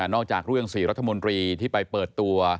จากเรื่อง๔รัฐมนตรีที่ไปเปิดตัว